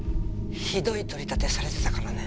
ひどい取り立てされてたからね。